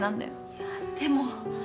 いやでも。